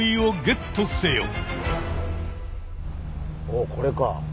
おこれか。